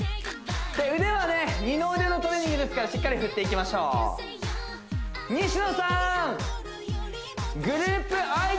腕はね二の腕のトレーニングですからしっかり振っていきましょう西野さーん！